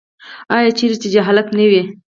آیا چیرې چې جهالت نه وي؟